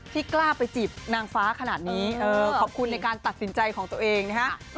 กล้าไปจีบนางฟ้าขนาดนี้ขอบคุณในการตัดสินใจของตัวเองนะฮะ